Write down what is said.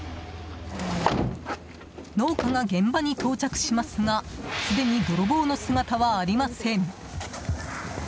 農家が現場に到着しますがすでに泥棒の姿はありません。